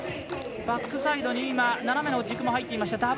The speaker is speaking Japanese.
バックサイドに斜めの軸も入っていました